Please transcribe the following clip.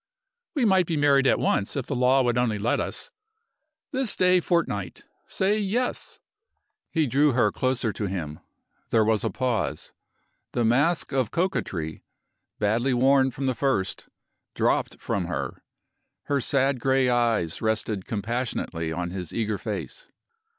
"We might be married at once if the law would only let us. This day fortnight! Say Yes!" He drew her closer to him. There was a pause. The mask of coquetry badly worn from the first dropped from her. Her sad gray eyes rested compassionately on his eager face.